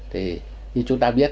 thì như chúng ta biết